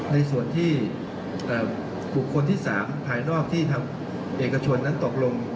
ในส่วนที่บุคคลที่๓ภายนอกที่ทางเอกชนนั้นตกลง